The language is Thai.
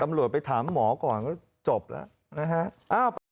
ไปถามหมอก่อนก็จบแล้วนะฮะ